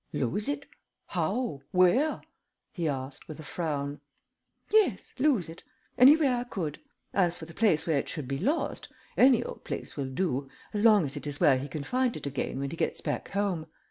"Lose it? How? Where?" he asked, with a frown. "Yes. Lose it. Any way I could. As for the place where it should be lost, any old place will do as long as it is where he can find it again when he gets back home.